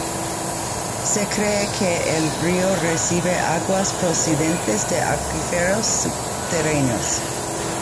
Se cree que el río recibe aguas procedentes de acuíferos subterráneos.